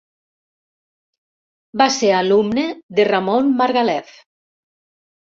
Va ser alumne de Ramon Margalef.